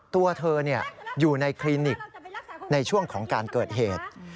ตัวเธออยู่ในคลินิกในช่วงของการเกิดเหตุ